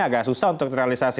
agak susah untuk terrealisasi